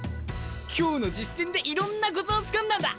今日の実戦でいろんなコツをつかんだんだ！